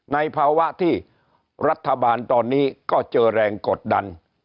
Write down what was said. ในภาวะที่รัฐบาลตอนนี้ก็เจอแรงกดดัน